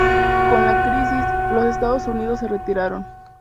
Con la crisis, los Estados Unidos se retiraron.